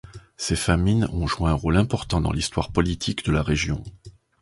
Ces famines ont joué un rôle important dans l'histoire politique de la région.